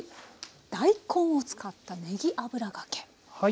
大根を使ったねぎ油がけ。